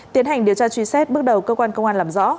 tiến hành điều tra truy xét bước đầu cơ quan công an làm rõ